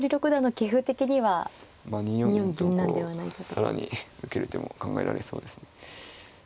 銀と更に受ける手も考えられそうですね。